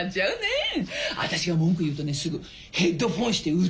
私が文句言うとねすぐヘッドホンして歌歌うんだわ。